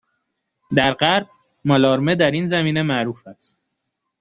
در غرب مالارمه در این زمینه معروف است